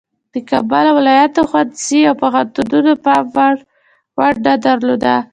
د کابل او ولایاتو ښوونځیو او پوهنتونونو پام وړ ونډه درلوده.